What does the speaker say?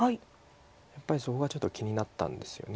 やっぱりそこがちょっと気になったんですよね